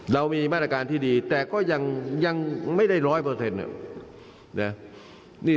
เรามีมาตรการที่ดีแต่ก็ยังยังไม่ได้ร้อยเปอร์เซ็นต์น่ะเนี่ย